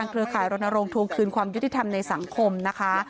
คุณแก้วเพชรประธานเครือข่ายรณรงค์ทูลคืนความยุทธิธรรมในสังคมนะคะ